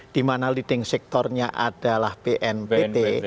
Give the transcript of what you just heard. di mana leading sectornya adalah bnpt